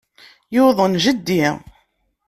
Yuḍen jeddi.